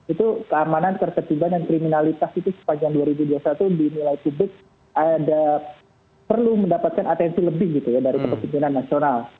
itu keamanan ketertiban dan kriminalitas itu sepanjang dua ribu dua puluh satu dinilai publik ada perlu mendapatkan atensi lebih gitu ya dari kepemimpinan nasional